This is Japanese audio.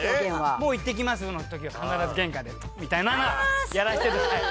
もういってきますのときは、必ず玄関で、ちゅっていうのはやらせていただいて。